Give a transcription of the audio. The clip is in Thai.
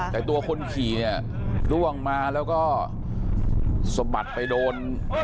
แต่ตัวคนขี่ล่วงมาแล้วก็โสบัติไปโดน